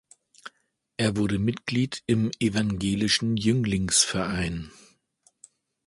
Er wurde Mitglied im Evangelischen Jünglingsverein.